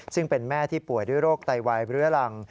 ซึ่งเป็นแม่ที่ป่วยด้วยโรคไตวายเรื้อรัง